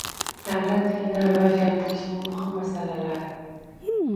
Davlat tilini rivojlantirishning muhim masalalari